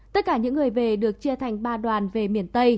tất cả những người về được chia thành ba đoàn về miền tây